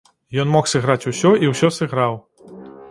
Ён мог сыграць усё, і ўсё сыграў.